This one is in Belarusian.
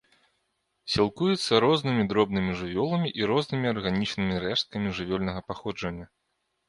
Сілкуецца рознымі дробнымі жывёламі і рознымі арганічнымі рэшткамі жывёльнага паходжання.